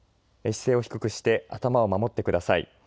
姿勢を低くして頭を守ってください。